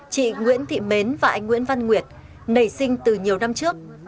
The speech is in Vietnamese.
chị nguyễn thị mến và anh nguyễn văn nguyệt nảy sinh từ nhiều năm trước